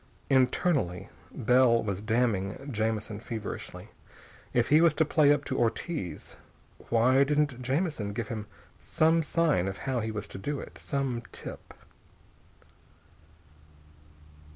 Internally, Bell was damning Jamison feverishly. If he was to play up to Ortiz, why didn't Jamison give him some sign of how he was to do it? Some tip....